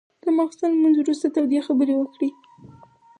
له ماخستن لمونځ وروسته تودې خبرې وکړې.